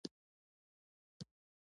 د غږ سرعت د تودوخې له امله بدلېږي.